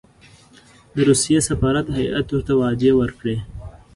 د روسیې سفارت هېئت ورته وعدې ورکړې.